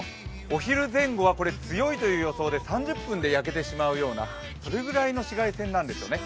お昼前後は強いという予想で３０分で焼けてしまうような紫外線なんですよね。